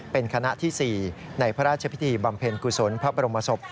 เป็นคณะที่๔ในพระราชพิธีบำเพ็ญกุศลพระบรมศพ